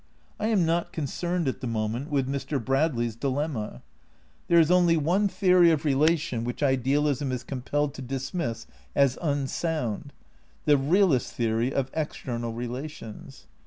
I am not concerned at the moment with Mr. Bradley's dilemma.^ There is only one theory of rela tion which idealism is compelled to dismiss as unsound, the realist theory of external relations.